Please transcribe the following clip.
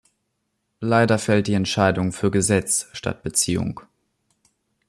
Leider fällt die Entscheidung für Gesetz statt Beziehung.